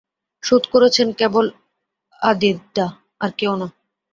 শোধ করেছেন কেবল আদিতদা, আর কেউ না।